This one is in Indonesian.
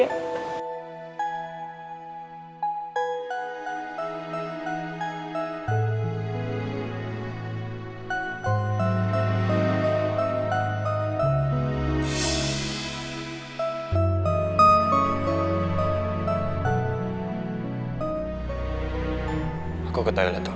aku ketahui latul